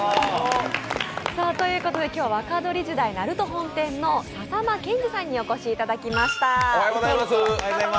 今日は、若鶏時代なると本店の笹間健治さんにお越しいただきました。